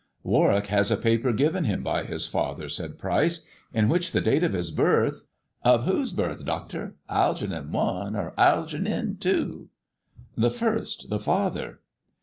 "Warwick has a paper given him by his father," said E*ryce, "in which the date of his birth " "Of whose birth, doctor — Algeernon I. or Algeernon EL?" " The first — the father.